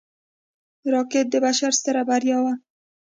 راکټ د بشر ستره بریا وه